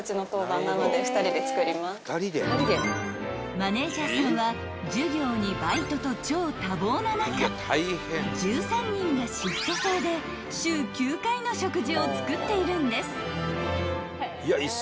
［マネージャーさんは授業にバイトと超多忙な中１３人がシフト制で週９回の食事を作っているんです］